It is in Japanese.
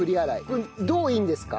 これどういいんですか？